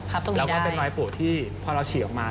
แล้วก็เป็นรอยปวดที่พอเราฉี่ออกมา